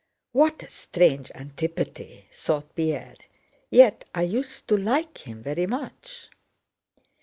"What a strange antipathy," thought Pierre, "yet I used to like him very much."